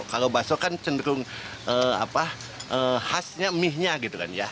kalau baso kan cenderung khasnya mie nya gitu kan ya